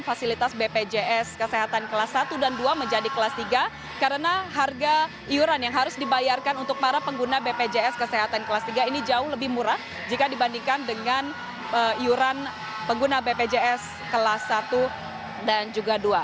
fasilitas bpjs kesehatan kelas satu dan dua menjadi kelas tiga karena harga iuran yang harus dibayarkan untuk para pengguna bpjs kesehatan kelas tiga ini jauh lebih murah jika dibandingkan dengan iuran pengguna bpjs kelas satu dan juga dua